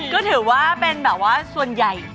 ก็ถือว่าเป็นแบบว่าส่วนใหญ่